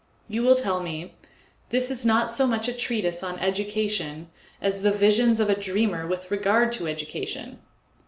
You will tell me, "This is not so much a treatise on education as the visions of a dreamer with regard to education."